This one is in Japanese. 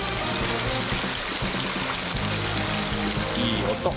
いい音。